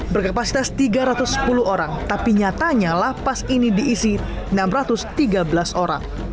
berkapasitas tiga ratus sepuluh orang tapi nyatanya lapas ini diisi enam ratus tiga belas orang